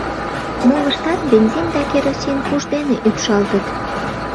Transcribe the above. Молыштат бензин да керосин пуш дене ӱпшалтыт.